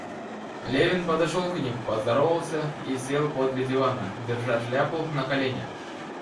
Левин подошел к ним, поздоровался и сел подле дивана, держа шляпу на колене.